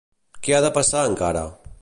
Què ha de passar encara?